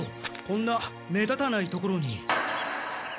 こんな目立たない所に。